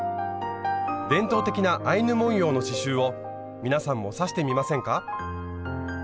伝統的なアイヌ文様の刺しゅうを皆さんも刺してみませんか？